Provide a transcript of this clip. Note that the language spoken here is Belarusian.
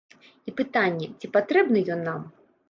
І пытанне, ці патрэбны ён нам?